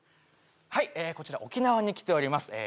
はいこちら沖縄に来ております